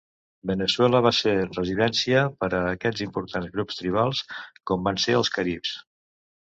Veneçuela va ser residència per a aquests importants grups tribals, com van ser els caribs.